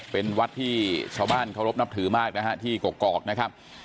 เป็นวัดที่ชาวบ้านเคารพนับถือมากนะฮะที่กกอกนะครับ